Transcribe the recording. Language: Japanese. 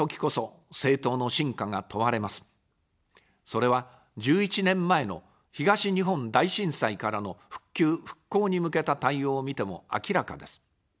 それは、１１年前の東日本大震災からの復旧・復興に向けた対応を見ても明らかです。